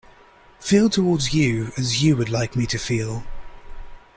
Feel towards you as you would like me to feel.